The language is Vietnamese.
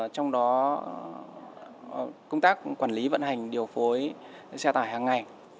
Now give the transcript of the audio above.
trong đó công tác quản lý vận hành điều phối xe tải hàng ngày